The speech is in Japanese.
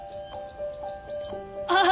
ああ！